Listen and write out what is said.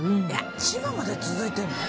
えっ千葉まで続いてるの？